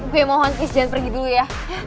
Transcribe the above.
gue mohon please jangan pergi dulu ya